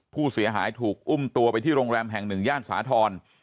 ผู้เสียหายถูกอุ้มตัวไปที่โรงแรมแห่งหนึ่งย่านสาธรณ์